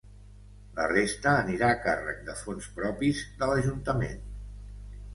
La resta anirà a càrrec de fons propis de l’ajuntament.